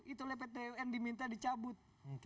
itu oleh pt un diminta dicabut